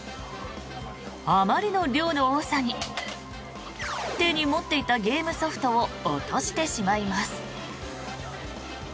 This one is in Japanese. あまりの量の多さに手に持っていたゲームソフトを落としてしまいます。